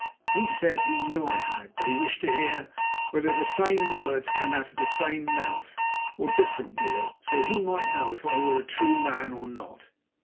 He said he knew I had, but he wished to hear "whether the same words came out of the same mouth, or different words," so that he might know if I were a true man or not.